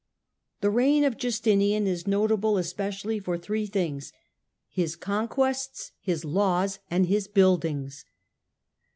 The reign of Justinian is notable especially for three things — his conquests, his laws and his buildings.